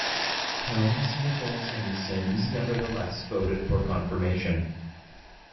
Helms, Nickles, and Symms nevertheless voted for confirmation.